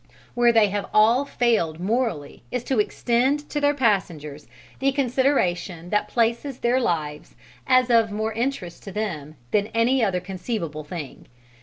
Where they have all failed morally is to extend to their passengers the consideration that places their lives as of more interest to them than any other conceivable thing.